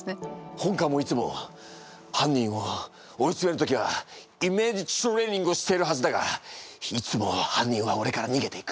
本官もいつも犯人を追い詰める時はイメージトレーニングをしているはずだがいつも犯人は俺から逃げていく。